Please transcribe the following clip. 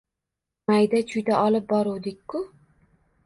Mayda-chuyda olib boruvdik-ku!